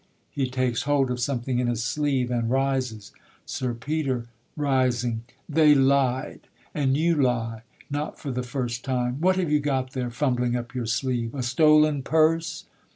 [He takes hold of something in his sleeve, and rises. SIR PETER, rising. They lied: and you lie, not for the first time. What have you got there, fumbling up your sleeve, A stolen purse?